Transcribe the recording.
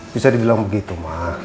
bisa dibilang begitu ma